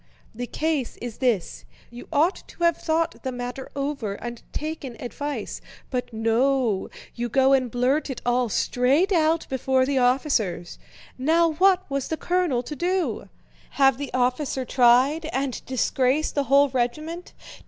The case is this: you ought to have thought the matter over and taken advice; but no, you go and blurt it all straight out before the officers. Now what was the colonel to do? Have the officer tried and disgrace the whole regiment?